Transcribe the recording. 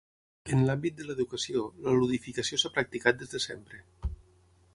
En l'àmbit de l'educació, la ludificació s'ha practicat des de sempre.